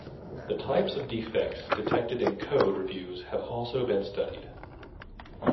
The types of defects detected in code reviews have also been studied.